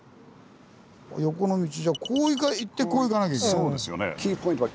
横の道じゃあこう行ってこう行かなきゃいけないんだ。